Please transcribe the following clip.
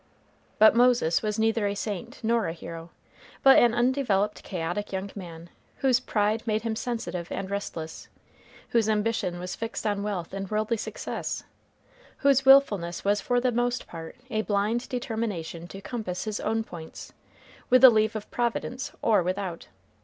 But Moses was neither a saint nor a hero, but an undeveloped chaotic young man, whose pride made him sensitive and restless; whose ambition was fixed on wealth and worldly success; whose willfulness was for the most part a blind determination to compass his own points, with the leave of Providence or without.